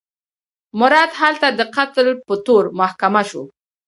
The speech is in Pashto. مراد هلته د قتل په تور محاکمه شو.